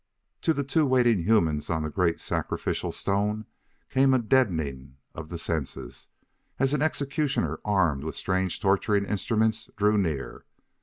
To the two waiting humans on the great sacrificial stone came a deadening of the senses, as an executioner, armed with strange torturing instruments, drew near.